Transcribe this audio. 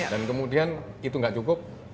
dan kemudian itu gak cukup